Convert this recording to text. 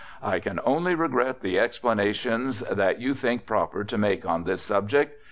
"I can only regret the explanations that you think proper to make on this subject.